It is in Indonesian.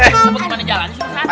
eh sempet gimana jalan susah